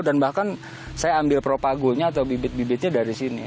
dan bahkan saya ambil propagulnya atau bibit bibitnya dari sini